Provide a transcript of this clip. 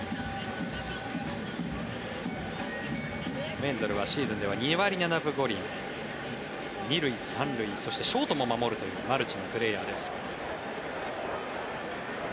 ウェンドルはシーズンでは２割７分５厘２塁、３塁そしてショートも守るというマルチなプレーヤーです。